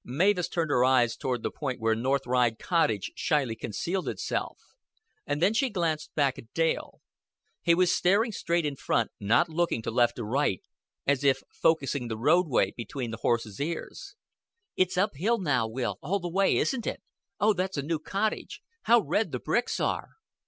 Mavis turned her eyes toward the point where North Ride Cottage shyly concealed itself, and then she glanced back at Dale. He was staring straight in front, not looking to left or right, as if focusing the roadway between the horse's ears. "It's uphill now, Will, all the way, isn't it? Oh, that's a new cottage. How red the bricks are!"